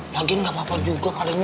lagian gapapa juga kalinya